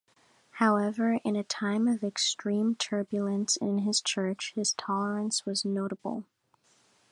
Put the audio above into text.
However, in a time of extreme turbulence in his church, his tolerance was notable.